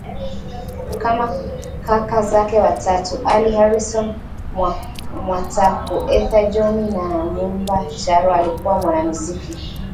Kama kaka zake watatu - Ali Harrison Mwataku, Esther John na Mumba Charo alikua mwanamuziki